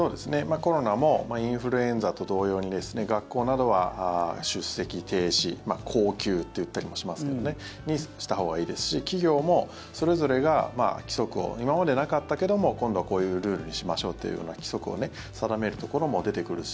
コロナもインフルエンザと同様に学校などは出席停止公休って言ったりもしますけどにしたほうがいいですし企業もそれぞれが規則を今までなかったけども今度こういうルールにしましょうというような規則を定めるところも出てくるし